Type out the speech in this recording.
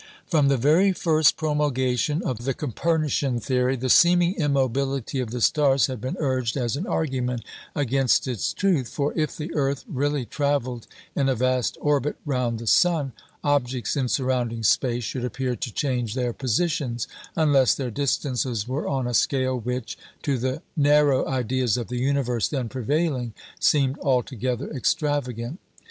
From the very first promulgation of the Copernician theory the seeming immobility of the stars had been urged as an argument against its truth; for if the earth really travelled in a vast orbit round the sun, objects in surrounding space should appear to change their positions, unless their distances were on a scale which, to the narrow ideas of the universe then prevailing, seemed altogether extravagant.